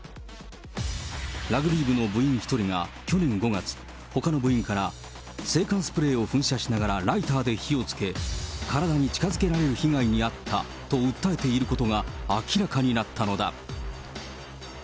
ラグビー部の部員１人が去年５月、ほかの部員から制汗スプレーを噴射しながらライターで火をつけ、体に近づけられる被害に遭ったと訴えていることが、明らかになったのだ。